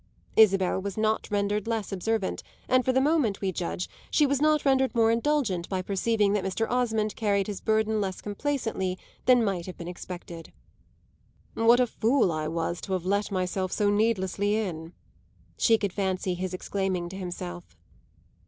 Isabel was not rendered less observant, and for the moment, we judge, she was not rendered more indulgent, by perceiving that Mr. Osmond carried his burden less complacently than might have been expected. "What a fool I was to have let myself so needlessly in !" she could fancy his exclaiming to himself.